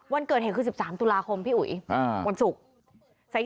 วันเกิดเหตุคือ๑๓ตุลาคมพี่อุ๋ยวันศุกร์